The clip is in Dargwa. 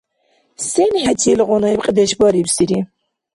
Сен хӀечи илгъуна ибкьдеш барибсири?